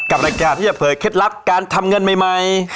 รายการที่จะเผยเคล็ดลับการทำเงินใหม่